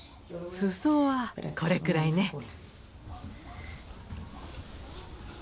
すそはこれくらいね。